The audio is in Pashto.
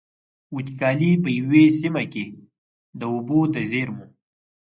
وچکالي په يوې سيمې کې د اوبو د زېرمو.